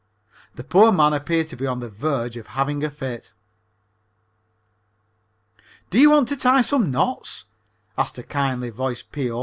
The poor man appeared to be on the verge of having a fit. "Do you want to tie some knots?" asked a kind voiced P.O.